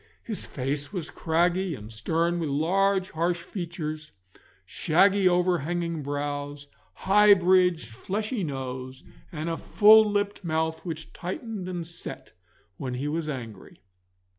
His face was craggy and stern, with large harsh features, shaggy over hanging brows, high bridged fleshy nose, and a full lipped mouth which tightened and set when he was angry.